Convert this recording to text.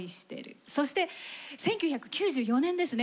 そして１９９４年ですね